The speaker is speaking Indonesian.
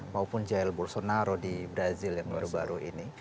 maupun jair bolsonaro di brazil yang baru baru ini